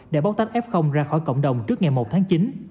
để bóc tách f ra khỏi cộng đồng trước ngày một tháng chín